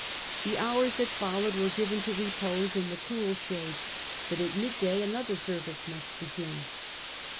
The hours that followed were given to repose in the cool shade, but at mid day another service must begin.